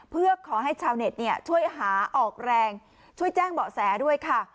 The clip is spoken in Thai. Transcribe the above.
เพื่อขอให้ชาวเน็ตช่วยหาออกแรงช่วยแจ้งเบาะแสด้วยค่ะ